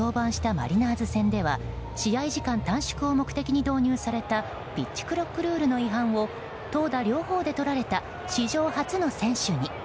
マリナーズ戦では試合時間短縮を目的に導入されたピッチクロックルールの違反を投打両方でとられた史上初の選手に。